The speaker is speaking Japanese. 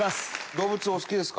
動物お好きですか？